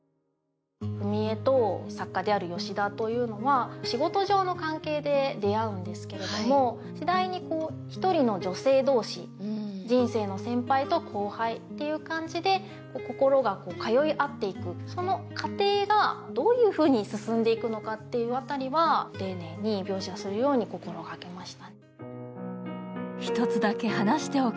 史絵と作家であるヨシダというのは仕事上の関係で出会うんですけど次第に一人の女性同士人生の先輩と後輩という感じで心が通い合っていく、その過程がどういうふうに進んでいくのかという辺りは丁寧に描写するように心掛けました。